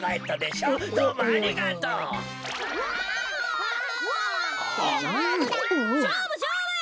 しょうぶしょうぶ！